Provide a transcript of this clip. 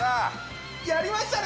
やりましたね！